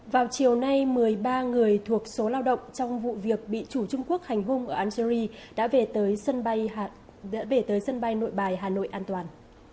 vào chiều nay một mươi ba người thuộc số lao động trong vụ việc bị chủ trung quốc hành hung ở algeria đã về tới sân bay nội bài hà nội an toàn